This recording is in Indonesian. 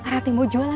rati gue marah